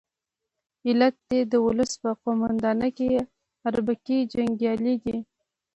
علت یې د ولس په قومانده کې اربکي جنګیالي دي.